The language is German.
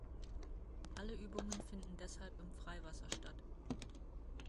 Alle Übungen finden deshalb im Freiwasser statt.